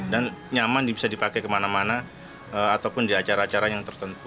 dan nyaman bisa dipakai kemana mana ataupun di acara acara yang tertentu